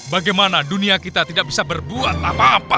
bagaimana dunia kita tidak bisa berbuat apa apa